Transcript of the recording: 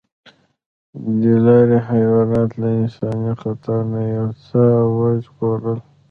دې لارې حیوانات له انساني خطر نه یو څه وژغورل.